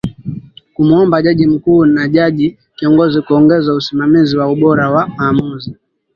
Kumuomba Jaji Mkuu na Jaji Kiongozi kuongeza usimamizi wa ubora wa maamuzi